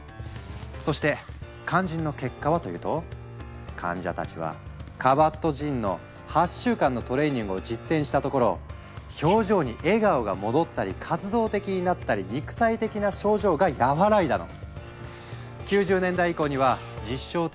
そして肝心の結果はというと患者たちはカバットジンの８週間のトレーニングを実践したところ表情に笑顔が戻ったり活動的になったり肉体的な症状が和らいだの！